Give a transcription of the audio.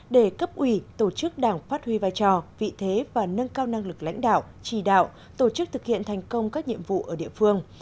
để cấp ủy tổ chức đảng phát huy vai trò vị thế và nâng cao năng lực lãnh đạo trì đạo tổ chức thực hiện thành công các nhiệm vụ ở địa phương